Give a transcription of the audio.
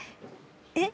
えっ？